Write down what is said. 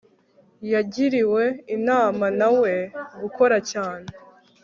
yagiriwe inama na we gukora cyane